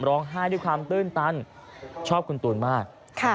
ร้องไห้ด้วยความตื่นตันชอบคุณตูนมาก